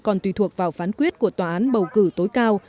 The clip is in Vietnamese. còn tùy thuộc vào phán quyết của tòa án bầu cử tối cao